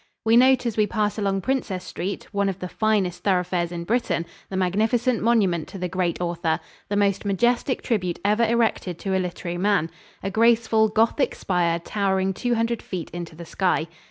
We note as we pass along Princess Street, one of the finest thoroughfares in Britain, the magnificent monument to the great author the most majestic tribute ever erected to a literary man a graceful Gothic spire, towering two hundred feet into the sky.